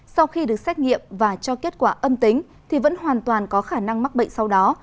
sau khi được xét nghiệm và cho kết quả âm tính thì vẫn hoàn toàn có khả năng mắc bệnh sau đó